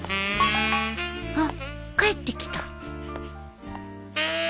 ・あっ帰ってきた